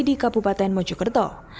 di kabupaten mojokerto